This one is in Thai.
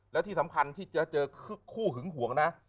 และที่สำคัญที่จะเจอคู่หึงห่วงนะ